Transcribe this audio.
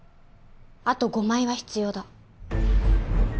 あと５枚は必要だ。